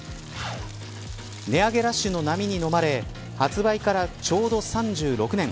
値上げラッシュの波にのまれ発売から、ちょうど３６年。